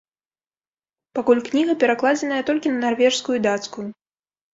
Пакуль кніга перакладзена толькі на нарвежскую і дацкую.